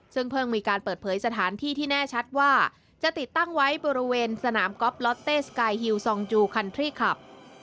ซึ่งเพิ่งมีการเปิดเผยสถานที่ที่แน่ชัดว่าจะติดตั้งไว้บริเวณสนามก๊อฟล็อตเต้สกายฮิวซองจูคันทรี่ขับ